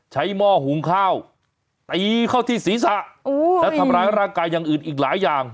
หม้อหุงข้าวตีเข้าที่ศีรษะและทำร้ายร่างกายอย่างอื่นอีกหลายอย่าง